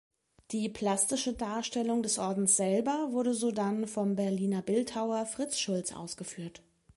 Die plastische Darstellung des Ordens selber wurde sodann vom Berliner Bildhauer Fritz Schulz ausgeführt.